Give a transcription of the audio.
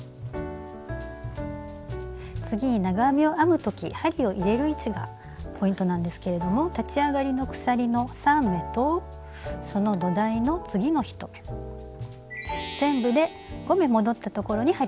次に長編みを編む時針を入れる位置がポイントなんですけれども立ち上がりの鎖の３目とその土台の次の１目全部で５目戻ったところに針を入れます。